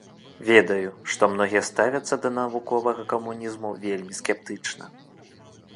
Ведаю, што многія ставяцца да навуковага камунізму вельмі скептычна.